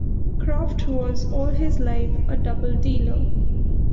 Croft was all his life a double-dealer.